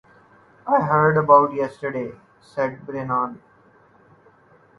"I heard about yesterday," said Brennan.